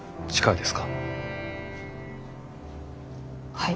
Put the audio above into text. はい。